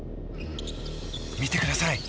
見てください